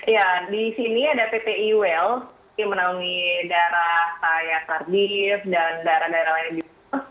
ya di sini ada ppi well yang menanggi daerah kayak sardis dan daerah daerah lainnya juga